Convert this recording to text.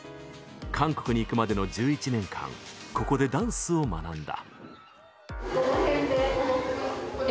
韓国に行くまでの１１年間ここでダンスを学んだ。